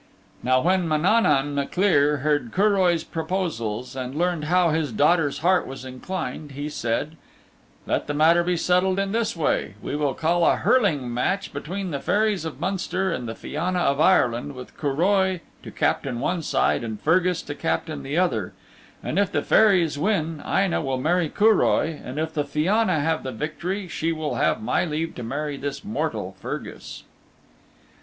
Now when Mananaun MacLir heard Curoi's proposals and learned how his daughter's heart was inclined, he said, "Let the matter be settled in this way: we will call a hurling match between the Fairies of Munster and the Fianna of Ireland with Curoi to captain one side and Fergus to captain the other, and if the Fairies win, Aine' will marry Curoi and if the Fianna have the victory she will have my leave to marry this mortal Fergus."